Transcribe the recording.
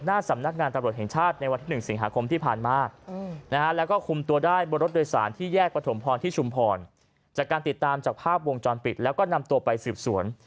สำนักงานตำรวจแห่งชาติในวันที่๑สิงหาคมที่ผ่านมานะฮะแล้วก็คุมตัวได้บนรถโดยสารที่แยกประถมพรที่ชุมพรจากการติดตามจากภาพวงจรปิดแล้วก็นำตัวไปสืบสวน